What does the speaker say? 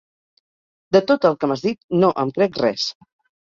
De tot el que m'has dit, no em crec res.